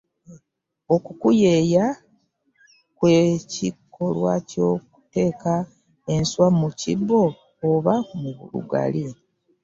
Okukuyeeya kwe kikolwa ky'okuteeka enswa mu kibbo oba mu lugali n'okozesa ebisaaniiko okuzikunya mpola ziveeko ebyoya oziwewe.